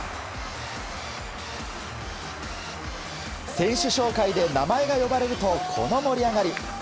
選手紹介で名前が呼ばれるとこの盛り上がり。